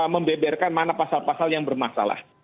membeberkan mana pasal pasal yang bermasalah